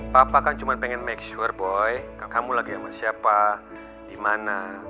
papa kan cuma pengen make sure boy kamu lagi sama siapa di mana